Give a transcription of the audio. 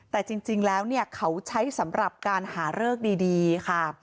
แต่จริงแล้วเขาใช้สำหรับการหาเลิกดีค่ะ